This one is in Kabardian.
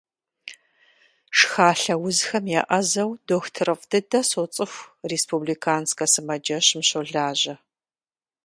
Шхалъэ узхэм еӏэзэу дохутырыфӏ дыдэ соцӏыху, республиканскэ сымаджэщым щолажьэ.